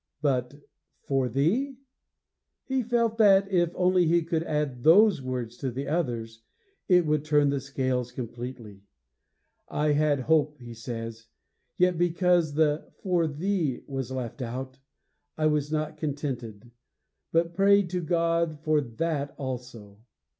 But 'for thee'; he felt that, if only he could add those words to the others, it would turn the scales completely. 'I had hope,' he says, 'yet because the "for thee" was left out, I was not contented, but prayed to God for that also.